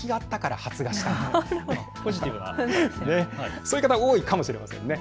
そういう方多いかもしれませんね。